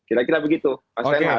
kira kira begitu mas renat